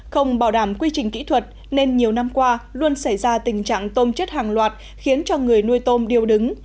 không bảo đảm quy trình kỹ thuật nên nhiều năm qua luôn xảy ra tình trạng tôm chết hàng loạt khiến cho người nuôi tôm điều đứng